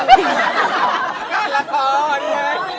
ก็ละครเนี่ย